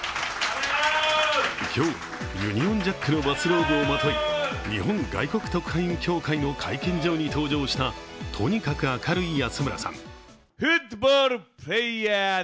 今日、ユニオンジャックのバスローブをまとい、日本外国特派員協会の会見場に登場したとにかく明るい安村さん。